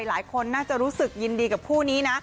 หลายคนน่าจะรู้สึกยินดีกับคู่นี้นะ